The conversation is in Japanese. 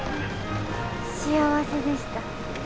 幸せでした。